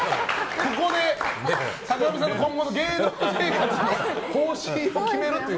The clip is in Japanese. ここで坂上さんの今後の芸能生活の方針を決めるという。